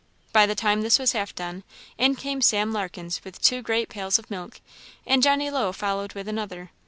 By the time this was half done, in came Sam Larkens with two great pails of milk, and Johnny Low followed with another.